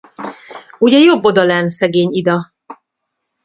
Ugye, jobb odalenn, szegény Ida?